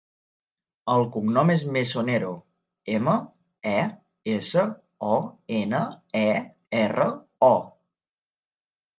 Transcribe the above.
El cognom és Mesonero: ema, e, essa, o, ena, e, erra, o.